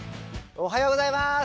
おはようございます。